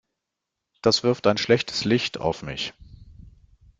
Das wirft ein schlechtes Licht auf mich.